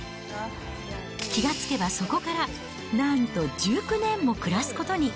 気がつけばそこからなんと１９年も暮らすことに。